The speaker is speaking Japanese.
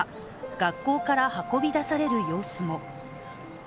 学校から運び出される様子も。